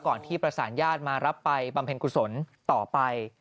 ที่ประสานญาติมารับไปบำเพ็ญกุศลต่อไป